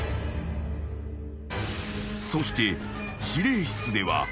［そして司令室では］